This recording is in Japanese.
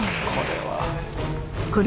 あこれは。